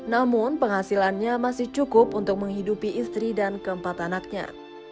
namun penghasilannya masih cukup untuk menghidupi istri dan keempat anaknya